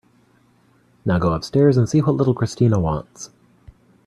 Now go upstairs and see what little Christina wants.